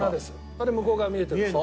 あれ向こう側見えてるんです。